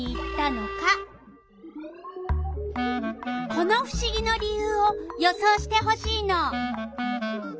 このふしぎの理由を予想してほしいの。